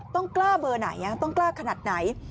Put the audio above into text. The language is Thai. ต้องกล้าเบอร์ไหนต้องกล้าขนาดไหน